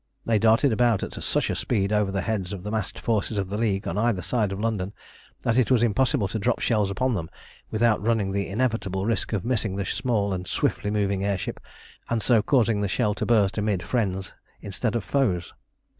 They darted about at such a speed over the heads of the massed forces of the League on either side of London, that it was impossible to drop shells upon them without running the inevitable risk of missing the small and swiftly moving air ship, and so causing the shell to burst amidst friends instead of foes.